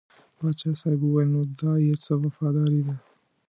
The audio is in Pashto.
پاچا صاحب وویل نو دا یې څه وفاداري ده.